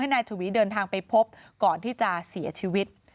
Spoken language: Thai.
นายชวีเดินทางไปพบก่อนที่จะเสียชีวิต